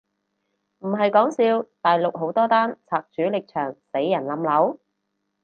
唔係講笑，大陸好多單拆主力牆死人冧樓？